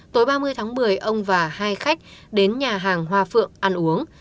tối ba mươi tháng một mươi ông và hai khách đến nhà hàng hoa phượng ăn uống